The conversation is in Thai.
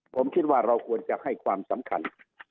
ผมคิดว่าเราควรจะให้ความสำคัญ